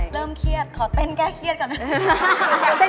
เริ่มเครียดขอเต้นแก้เครียดก่อนเถอะ